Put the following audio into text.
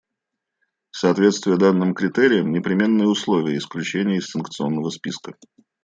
Соответствие данным критериям — непременное условие исключения из санкционного списка.